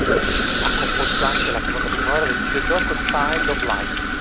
Ha composto anche la colonna sonora del videogioco Child of Light.